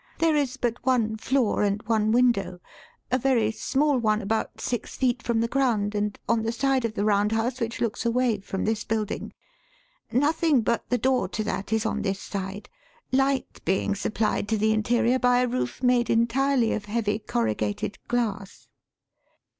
There is but one floor and one window a very small one about six feet from the ground, and on the side of the Round House which looks away from this building. Nothing but the door to that is on this side, light being supplied to the interior by a roof made entirely of heavy corrugated glass."